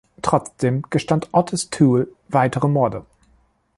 Trotzdem gestand Ottis Toole weitere Morde.